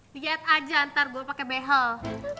liat aja ntar gue pake behel